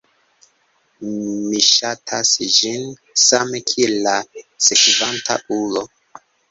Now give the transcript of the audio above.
Mi sxatas ĝin, same kiel la sekvanta ulo